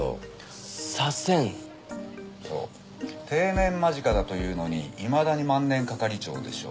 そう定年間近だというのにいまだに万年係長でしょ？